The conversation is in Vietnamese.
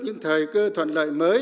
những thời cơ thuận lợi mới